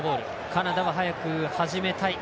カナダは早く始めたい。